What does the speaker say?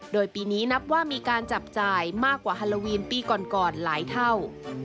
โดยปีนี้นับว่ามีการจับจ่ายมากกว่าฮาโลวีนปีก่อนหลายเท่า